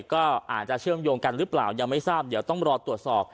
ก็อาจจะเชื่อมโยงกันหรือเปล่ายังไม่ทราบเดี๋ยวต้องรอตรวจสอบ